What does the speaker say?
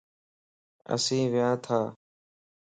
اسين ونياتا